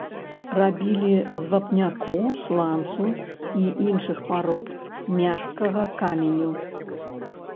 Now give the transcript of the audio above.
Рабілі з вапняку, сланцу і іншых парод мяккага каменю.